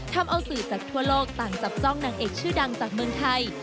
ทำเอาสื่อจากทั่วโลกต่างจับจ้องนางเอกชื่อดังจากเมืองไทย